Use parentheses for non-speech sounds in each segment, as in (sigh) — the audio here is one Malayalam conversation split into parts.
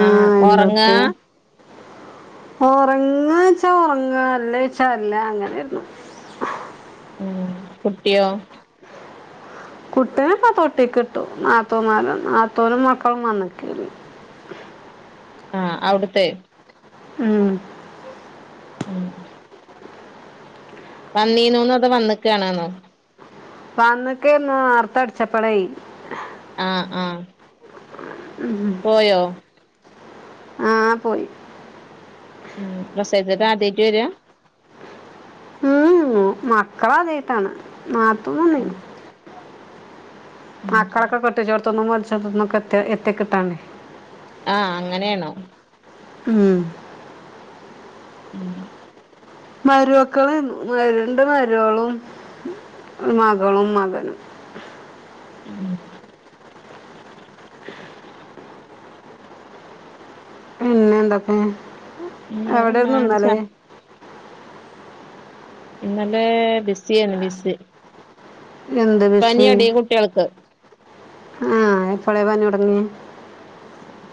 ആഹ് ഒറങ്ങ ഉറങ്ങാച്ചാ ഉറങ്ങ ല്ലേച്ച അല്ല അങ്ങനെരുന്നു മ്മ് കുട്ടിയോ കുട്ടീനെ ഇപ്പോ തൊട്ടീകിട്ടു നാത്തൂമാരും നാത്തൂനും മക്കളും വന്ന്ക്ക് ആഹ് അവിടുത്തെ മ്മ് മ്മ് വന്നീനുന്ന് അത് വന്നിക്കണാന്നോ വന്ന്ക്ക് നേർത്തെ അടിച്ചപ്പളേ ആഹ് ആഹ് പോയോ ആഹ് പോയി മ്മ് (unintelligible) ആദ്യമായിട്ട് വര്ആ മ്മ് മക്കളാദ്യായിട്ടാണ് നാത്തുന് ഉം വന്നേക്കണ് ഉം മക്കളൊക്കെ കെട്ടിച്ചോടുത്തുന്നും (unintelligible) എത്തി കിട്ടാനേ ആഹ് അങ്ങനെയാണോ മ്മ് മ്മ് മരുമക്കള് രണ്ട് മരുമളും മകളും മകനും മ്മ് പിന്നെ എന്താപ്പേ പിന്നെ വേറെന്താ എവിടെന്ന് അടിച്ചാ ഇന്നലേ ഇന്നലെ ബിസിയാണ് ബിസി എന്ത് പനിയാടി കുട്ടികൾക്ക് ആഹ് എപ്പോളേ പനി തുടങ്ങിയേ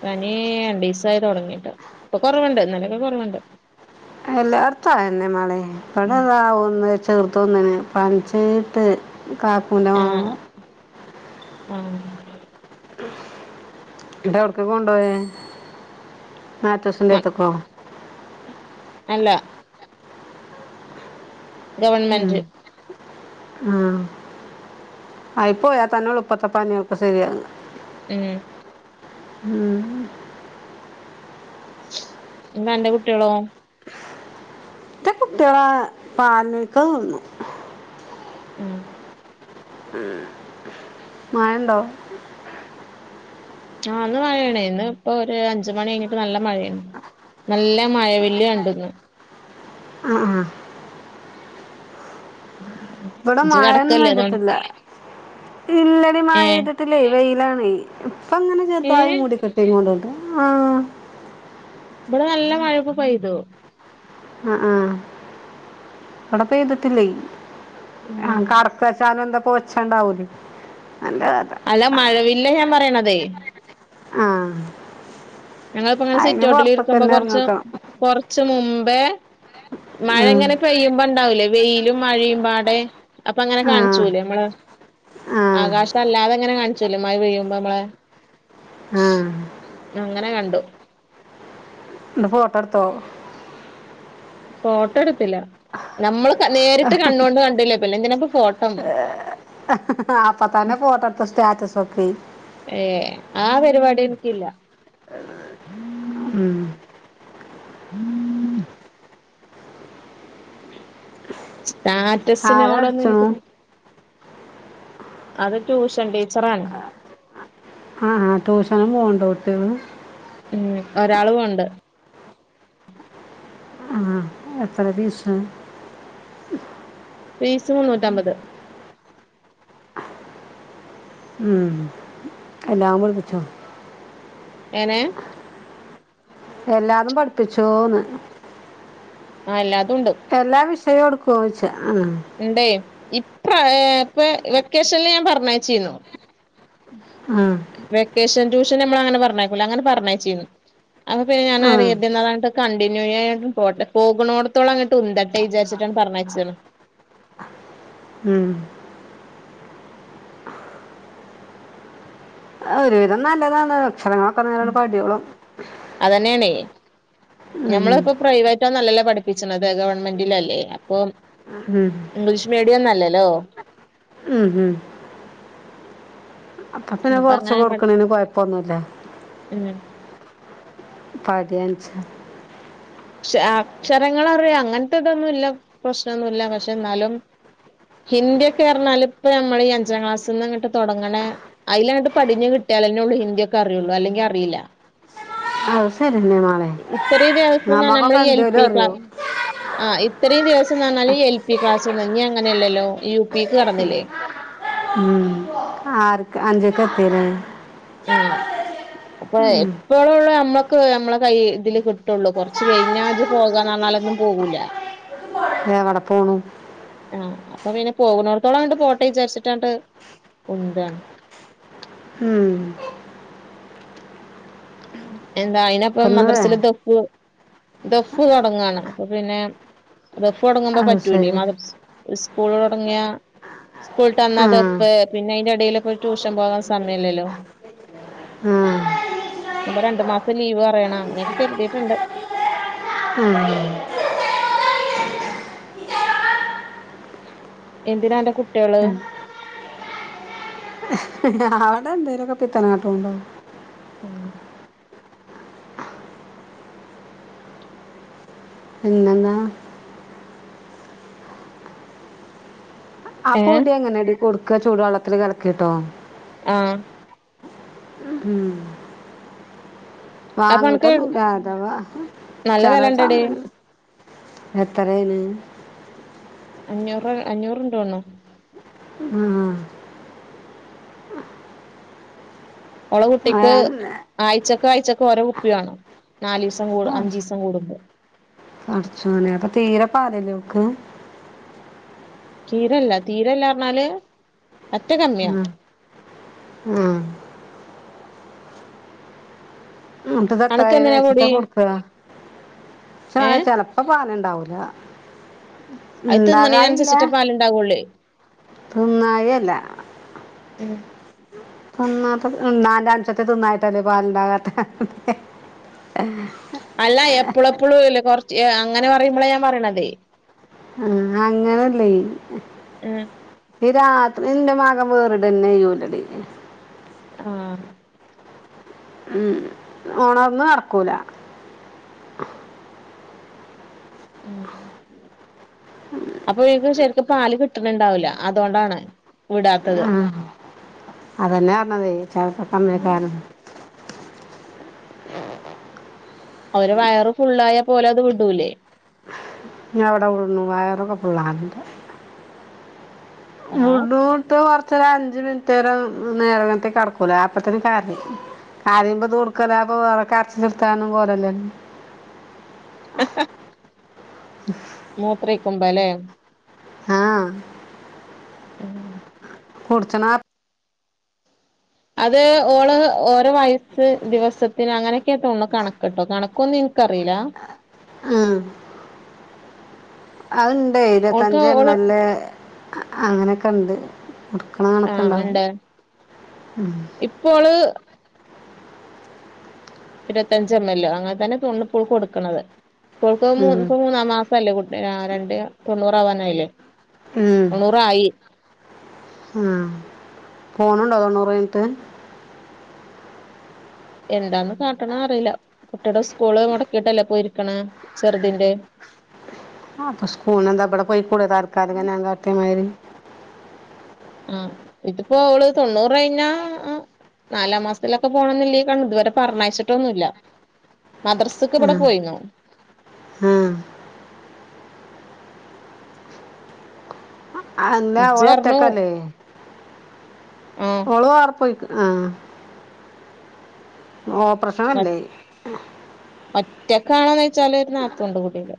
പനീ രണ്ടീസായി തുടങ്ങിട്ട് ഇപ്പൊ കൊറവുണ്ട് ഇന്നലൊക്കെ കൊറവുണ്ട് എല്ലാടത്തും അതന്നെ മോളേ ഉം ഇവടതാ ഒന്ന് ചെറ്ത് തൊന്ന്ന് പനീച്ചിട്ട് ആഹ് (unintelligible) ആഹ് ഇടെവിടക്ക് കൊണ്ടപോയേ മാത്യൂസിൻ്റെടുത്തേക്കോ അല്ല ഗവൺമെന്റ് മ് ആയിപോയാ തന്നുള്ളു പ്പത്തെ പനിയൊക്കെ ശരിയാ ഉം ഉം എന്താ അന്റെ കുട്ട്യാളോ റ്റേ കുട്ടികളാ (unintelligible) തിന്നു മ്മ് മ് മഴണ്ടോ? ആ ന്ന് മഴേണേ ഇന്ന് പ്പൊരു അഞ്ച് മണി കഴ്ഞ്ഞിട്ട് നല്ല മഴേണ് നല്ല മഴ വല്യ കണ്ടന്ന് ആ ആ വടെ ഇജ് മയ ഒന്നും കെടക്കല്ലേ അതോണ്ട് പെയ്തിട്ടില്ല ഇല്ലടി ഏഹ് മായെയ്തിട്ടില്ലെയ് വെയിലാണ് ണെയ് പ്പങ്ങനെ ചെർതായി ഏഹ് മൂടി കെട്ടീകോണ്ട്‌ണ്ട് ആഹ് ഇവിടെ നല്ല മഴപ്പ പെയ്തു ആ ആഹ് വ്ടപ്പെയ്തിട്ടില്ലെയ് ഉം ആഹ് കടത്ത (unintelligible) ന്താ ഒച്ചണ്ടാവൂലെ അല്ല മഴവില്ല ഞാൻ പറയണതെ ആ ഞങ്ങളിപ്പങ്ങനെ അതിന് പുറത്തൊക്കെ സിറ്റോട്ടിലിരിക്കുമ്പോ തന്നെ കൊറ്ച്ച് ഇറങ്ങിക്കണം കൊറ്ച്ച് മു മ്പേ മഴ ഉം. ഇങ്ങനെ പെയ്യുമ്പോണ്ടാവുലേ വെയിലും മഴയും പാടെ അപ്പ അങ്ങനെ ആ കാണിച്ചൂലേമ്മളേ ആ ആകാശം അല്ലാതെങ്ങനെ കാണിച്ചൂലെ മഴ പെയ്യുമ്പോ മ്മളെ ആഹ്‌ അങ്ങനെ കണ്ടു ന്ന് ഫോട്ടട്ത്തോ ഫോട്ടോ എടു ട്ടില്ല നമ്മള് നേരിട്ട് കണ്ണോണ്ട് കണ്ടില്ലേ പിന്നെന്തിനാപ്പൊ ഫോട്ടം അപ്പൊ തന്നെ ഉം ഫോട്ടോ എടുത്ത സ്റ്റാറ്റസ് ഒക്കെ ഏ ആ പരിപാടി എൻക്കില്ല ഉം. ആരാ അടിച്ചണു സ്റ്റാറ്റസിനോടൊന്നുംൻക്ക് അത് ട്യൂഷൻ ടീ ആഹ് ആഹ് ടൂ ഷനും പോക്ണ്ടോ കുട്ട്യാള് ഉം ഒരാള് പോണ്ട് ആഹ് എത്രെ ഫീസ്? ഫീസ് മുന്നൂറ്റമ്പത് ഉം എല്ലാം പടിപ്പിച്ചോ? എങ്ങനെ? എല്ലാതും പഠിപ്പിച്ചോന്ന്? ആ എല്ലാതുണ്ട് ഫോടുക്കോയ്ച്ചാ ഉണ്ടെയ് ഇപ്രാ ഇപ്പെ വെക്കേഷൻല് ഞാൻ പർ ഞ്ഞയ്ച്ചീന്നു ആ വെക്കേഷൻ ട്യൂഷൻ പക്ഷെ ഞമ്മള് അങ്ങനെ പറഞ്ഞയക്കൂല്ല അങ്ങനെ പറഞ്ഞയിച്ചീനി അപ്പൊ പിന്ന ആ ആ ഞാൻ (unintelligible) കണ്ട പോട്ടെ പോകണോടത്തോളംങ്ങട്ട് ഉന്ഥ്ര വിചാരിച്ചിട്ടാണ് പറഞ്ഞയച്ചതാണ് ഉം ഒരുവിധം നല്ലതാണ് അക്ഷരങ്ങളൊക്കെ മ് നേരം പടിയോളും അതന്നെയാണേ ഉം. ഞമ്മളിപ്പ പ്രൈവറ്റൊന്നല്ലല്ലേ പഠിപ്പ പിച്ചണത് ഗവൺമെന്റിലല്ലേ അപ്പൊ ഉം. ഇംഗ്ലീഷ് മീഡിയം നല്ലല്ലോ ഉം. അപ്പ പിന്നെ കൊറച്ച് പഠി കൊടുക്കണേന് കൊയപ്പൊന്നുല്ല ഉം പതിനഞ്ച് ക്ഷ അക്ഷരങ്ങൾ അറിയാം അങ്ങനത്തെ ഇതൊന്നുംല്ല പ്രശ്നമൊന്നുമല്ല പക്ഷെ എന്നാലും ഹിന്ദിയൊക്കെ അറിഞ്ഞാൽ ഇപ്പ നമ്മൾ ഈ അഞ്ചാം ക്ലാസ്സിൽന്ന് അങ്ങോട്ട് തുടങ്ങണേ അയിൽ അങ്ങോട്ട് പടിഞ്ഞഞ് കിട്ടിയാലെന്നേ ഉള്ളൂ ഹിന്ദിക്കെ അറിയുള്ളു അല്ലെങ്കി അറിയില്ല ആ ശരി തന്നെ മോളെ ഇത്രയും ദിവസം എഞ്ഞാൽ നമ്മള് നമുക്കൊക്കെ എൽ എന്തേലും പി അറിയോ ക്ലാസ് ആ് ഇത്രയും ദിവസം എന്ന് പറഞ്ഞാൽ എൽ പി ക്ലാസ് അങ്ങനെയല്ലല്ലോ യു പിക്ക് കടന്നില്ലേ ഉം ആറ് അഞ്ചൊക്കെ പേര് ആ അപ്പൊ എപ്പോഴള്ള നമ്മ നമ്മളെ കൈ ഇതില് കിട്ടുള്ളൂ കൊറച്ച് കഴിഞ്ഞ ആജ പോകാന്നന്നാലൊന്നും പോകൂല എവിടെ പോണു ആഹ് അപ്പൊ പിന്നെ പോകുന്നടത്തോളം കണ്ട് ഫോട്ടോ വിചാരിച്ചിട്ടാണ്ട് ഉന്താണ് ഹും ഉം എന്താ ഇപ്പൊ അയിന്പ്പം ഇന്ന് വേ മദ്രസൽ തെക്ക ദഫ് തുടങ്ങുവാണ് അപ്പൊ പിന്നെ ദഫ് തുടങ്ങുമ്പോ അത് പറ്റൂലേ ശരി മാതം സ്കൂൾ തുടങ്ങിയ സ്കൂളി് ആ തന്നാതപ്പ പിന്നെ അയിറെ ഇടയിലൊ പോ ട്യൂഷൻ പോകാൻ സമയല്ലല്ലോ ആ അപ്പ രണ്ടു മാസം ലീവ് പറയണം അങ്ങനെയൊക്കെ കരുതിട്ടുണ്ട് ആ. എന്തിനാ എന്റെറെ കുട്ടികള് അവിടെ എന്തേരൊക്കെ കിത്തനാട്ടമ ഉണ്ടാവും ഉം പിന്നെന്താ ആ ഏഹ് പൊടി എങ്ങനാടി കൊടുക്കു ക്കെ ചൂടുവള്ളത്തിൽ കലക്കിട്ടോ ആ ഉം അപ്പൊ അനക്ക് വാങ്ങിട്ടൊന്നുല്ല അഥവാ നല്ല ചെല വെലണ്ടടി സമയത്ത് എത്ര ആയിന് അഞ്ഞൂറ് അഞ്ഞൂറ്ണ്ടോണ് ഉം ഓളെ കുട്ടിക്ക് ആഴ്ച ക്ക് ആഴ്ചക്ക് ഓരോ കുപ്പി വാണം നാലിസം കൂട് അഞ്ചിസം കൂടുമ്പോ പടച്ചേനെ അപ്പൊ തീരെ പാലില്ലെ ഓക്ക് തീരല്ല തീരല്ല പറഞ്ഞാല് പറ്റേ കമ്മിയാ ഉം. ഉം. ഉം ത്ത്ഇത്. അനക്ക് എന്തിനാ ഇത്രായിന്നെച്ചിട്ടാ പൊടി കൊട്ക്കാ ഏഹ് (unintelligible) ചെലപ്പോ പാൽ ഇണ്ട് ണ്ടാവുലാ അത് തിന്ന്ണീൻ അൻസെര്ച്ചിട്ടാ പാൽ ഇണ്ടാകൊള്ളെയ് തിന്നായി അല്ല ഉം തിന്നാ നാലാംശത്തെ തിന്നായിട്ടല്ലേ പാലിണ്ടാകാത്ത എപ്പളുംപ്പളും ഇല്ല കൊറച്ച് അങ്ങനെ പറിമ്പളാ ഞാൻ പറിണതെ അങ്ങനെ അല്ലെയ് ആ രാത്രി ഇന്റെ മകൻ വേറ്ടെന്നെ ചെയ്യുലെടി ആ ഉം ഓണർന്നാ നടക്കൂലാ ഉം അപ്പൊ (unintelligible) ശരിക്കും പാല് കിട്ടണ് ഇണ്ടാവുലാ അതുകൊണ്ടാണ് വിടാത്തത് ആ അതെന്നെ പർണതെ ചെൽപ്പോക്കെ ഉം അങ്ങനെയ്ക്കാരം അവര് വയറ് ഫുള്ളായ പോലെ അത് വിടൂലേ ഞാ ഇവടെ വന്നു വയറൊക്കെ ഫുള്ളാണ് ഇണ്ട് ആ (unintelligible) ച്ച് ഒര് അഞ്ച് മിനിറ്റ് നേരം നേരനെത്തെ കടക്കൂലെ അപ്പത്തന്നെ കരയും കരിയിമ്പം ഇത് കൊട്ക്കാ ലാഭം അവളെ കരച്ചിൽ നിർത്താനും കോലം ഇല്ല ഹ ഹ ഉ മൂത്രയിക്കുമ്പലെ ആ ഉം (unintelligible) അത് ഓള് ഓരോ വയസ്സ് ദിവസത്തിന് അങ്ങനെയൊക്കെ തോണ്ന്നു കണക്ക്ട്ടോ കണക്കോന്നും ഇൻക്കറീലാ അയ് ണ്ടെയ് ഓൾക്ക് ഇരുപത്തഞ്ച് എം ഓള് എൽ എ അങ്ങനെയൊക്കെണ്ട് ആഹ ണ്ട് ഇപ്പോള് ഇരുവത്തഞ്ച് എം മൽ അങ്ങനെ തന്നെ തോണ് ഇപ്പോള് കൊടുക്കണത് ഇപ്പോൾക്ക് മൂ ഉം. ഇപ്പ മൂന്ന മാസല്ലേ കു- രാ രണ്ട് തൊണ്ണൂറാ വാനായില്ലേ തൊണ്ണൂറായി ഉം പോണുണ്ടോ തൊണ്ണൂറെയ്ഞ്ഞിട് എന്താണ് കാട്ടണ് അറീല്ലാ കുട്ടിടെ സ്കൂള് മുടക്കിട്ടല്ലേ പോയി ഇരിക്കണ ചെറുതിന്റെ അപ്പൊ സ്കൂൾനെന്താ വിടെ പോയി കൂടെ ഞാൻ കാട്ട്യ മാതി രി ആഹ ഇതിപ്പോ ഓള് തൊണ്ണൂറ് കഴിഞ്ഞാ നാലാം മാസത്തിലൊക്കെ പോണന്നില്ലേ കണ ഇതുവരെ പറഞ്ഞാഴ്ച്ചിട്ടൊന്നുല്ല മദ്രസക്ക് ഇവിടെ ആ പോയിന്നോ ആ അന്നാ ഇജ്ജർഞ്ഞു ഓളൊറ്റകല്ലേ ആഹ് ഓള് വേറെ പോയിക്ക് ആഹ ഓപ്രശനല്ലേ ഒറ്റേക്കണോന്നോയ്ച്ചാല് ഒരു നാത്തൂണ്ട് കുട്ടിന്റെ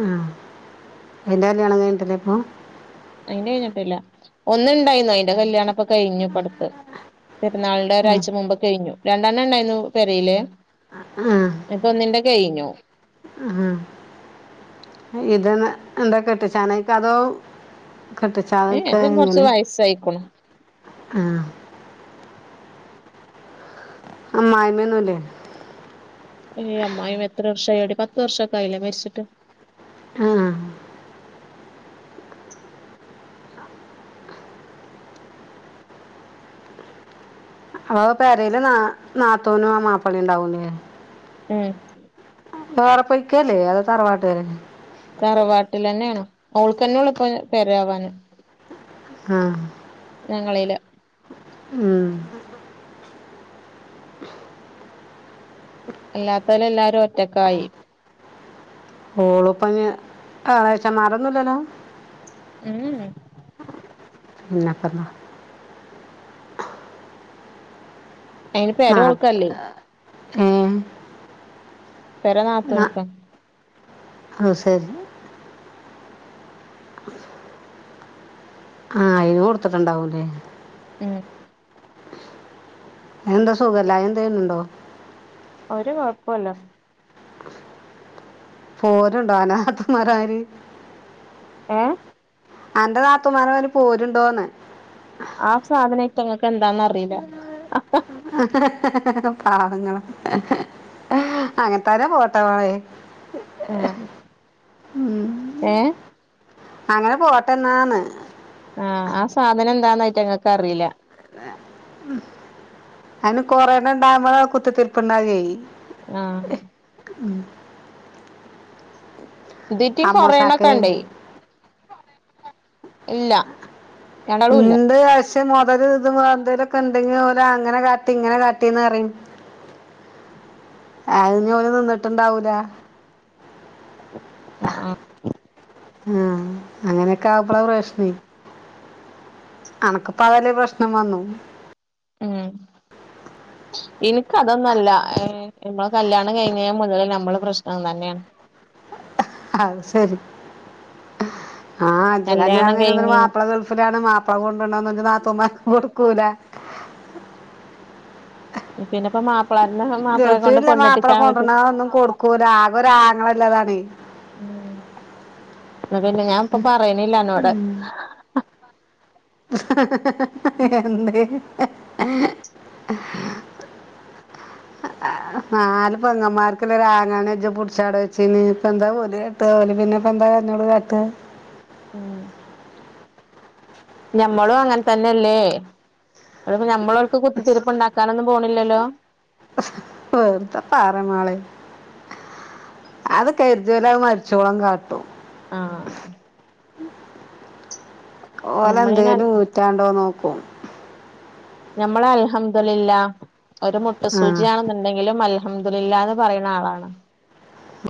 ആ ഐന്റെ കല്യാണം കഴിഞ്ഞിട്ടില്ലേ അപ്പൊ അയിന്റെ കഴിഞ്ഞിട്ടില്ല ഒന്ന് ഇണ്ടായിന്ന് അയിൻന്റെ കല്യാണ ഇപ്പൊ കഴിഞ്ഞു പടത്ത് പെര്ന്നാളിന്റെ ഒരാഴ്ച മുമ്പ് കഴിഞ്ഞു രണ്ടണ്ണം ഇണ്ടായിന്ന പെരയിലേ ആ അപ്പ ഒന്നിന്റെ കഴിഞ്ഞു ആ ഇത് തന്നെ എന്താ കെട്ടിചാ നയ്ക്കാ (unintelligible) ത്തതോ ഏയ് ഇതിന് കോറച്ച് വയസ്സായിക്ക്ണു ആ (unintelligible) അമ്മായി അമ്മ ഒന്നുമില്ലേ ഏയ് അമായിയമ്മ എത്ര വർഷായടി പത്ത് വർഷൊക്കെ ആയില്ലേ മരിച്ചിട്ട് ആ അപ്പൊ പേരയില് ന നാത്തൂനും ആ മാപ്പളയും ഉ ണ്ടാവും ഇല്ലേ ഉം വേറെ പൊയ്ക്കല്ലേ അതൊ തറവാട്ട്കാര് തറവാട്ടില് തന്നെയാണ് ഓൾക്ക് തന്നെ യുള്ളൂ ഇപ്പൊ പെരായാ വാന് ആ ഞങ്ങലില്ല ഉം. അല്ലാത്തോല എല്ലാരും ഒറ്റക്കായി ഓളപ്പഞ് എളേച്ഛമാരോ ന്നുംല്ലല്ലോ ഉം പിന്നെപ്പന്ന അയിന് നാത്ത് പെരോൾക്കല്ലേ ഏ പെര നാത്തൂൻകാ അഅ് സരി ആഹ അയ്‌ന് കൊടുത്തിട്ട് ണ്ടാവൂല്ലേ ഉം എന്താ സുഖല്ലായി ന്തേലുണ്ടോ ഒരു കൊഴപ്പോല്ല പോരുണ്ടോ അന്റെ നാത്തൂന്മാരാരി ഏ അന്റെ നാത്തൂമാരെ അവന് പോരുണ്ടോന്ന് ആ സാധനം ഈറ്റങ്ങൾക്ക് എന്താന്നറിയില്ല. പാവങ്ങള് അങ്ങനത്താര പോട്ട പോലെ ആഹ്ഏ? അങ്ങനെ പോട്ടെന്നാന്ന്. ആ ആ സാധനം എന്താന്ന് അയിറ്റങ്ങക്കറിയില്ല. അതിന് കൊറേണ്ണണ്ടാകുമ്പളെ കുത്തിത്തിർപ്പ്ണ്ടാകേ. ആഹ് ഇതീറ്റും അമ്മൂസാക്ക് കൊറയണ്ണൊക്കെണ്ടേ. ഇല്ല രണ്ടാളും ഇല്ല എന്ത് അശി പക്ഷെ മൊതല് ത് ന്തേലൊക്കെണ്ടെങ്കിലവര് അങ്ങനെ കാട്ടി ഇങ്ങനെ കാട്ടിന്നറിം അയ്ന്നോല് നിന്ന്ട്ട്ണ്ടാവൂല ആ ആ അങ്ങനെയൊക്കെ ആവ്മ്പള പ്രശ്നേ അണക്ക്പ്പതല്ലേ പ്രശ്നം വന്നു ഉം ഇൻക്ക് അതൊന്നാെല്ല ഇങ്ങള് കല്യാണം കയ്ഞ്ഞേ മുതല് ഞമ്മള് പ്രശ്നം തന്നേണ് അത്ശെരി ആ അത് കല്യാണം കയ്ഞ്ഞപ്പതന്നെ മാപ്പള ഗൾഫ് ലാണ് മാപ്പള കൊണ്ടോണ്ടാന്നാെക്കെ നാത്ത് പ്പുമ്മാക്ക് കൊട്ക്കൂല പിന്നെപ്പ മാപ്പ ഗൾഫിലല്ലേ മാപ്പള കൊണ്ടുവരണ തൊന്നും കൊടുക്കൂല ആകെരാങ്ങളല്ലതാണ് അപ്പ പിന്നെ ഞാപ്പൊ പറയണില്ലന്നോട് എന്തേ നാല് പെങ്ങന്മാർക്ക്ള്ള ഒരാങ്ങളാന്ന്ച് പുടിച്ചാങ്ങട് വെച്ചിന് ഇപ്പ എന്താ പോല (unintelligible) പിന്നെപ്പെന്താ കരഞ്ഞോട് കാട്ട് ഉ ഞമ്മളും അങ്ങനെ തന്നെയല്ലേ ഞമ്മളവർക്ക് കുത്തിത്തിരുപ്പ് ഉണ്ടാക്കാനൊന്നും പോണില്ലല്ലോ. വെറുതെ പറമോളെ അത് കരുതിയ പോല മരിച്ചോളം കാട്ടും ആഹ് (inaudible) നമ്മളേന ഓലെന്തേലും ഊറ്റാണ്ടോ നോക്ക (unintelligible) നമ്മള് ൽഹംദുലില്ല ഒരു ആ മൊട്ടുസൂചിയാണെന്നുണ്ടെങ്കിലും അല്ല ഹമ്ദുലില്ലാന്ന് പറയണ ആളാണ്.